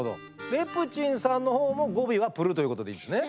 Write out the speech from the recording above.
レプチンさんのほうも語尾は「プル」ということでいいですね？